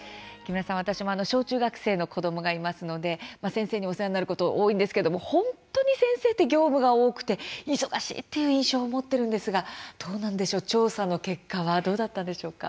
私も小中学生の子どもがいますので先生にお世話になること多いんですけれども本当に先生って業務が多くて忙しいという印象を持っているんですがどうなんでしょうか調査の結果はどうだったんでしょうか。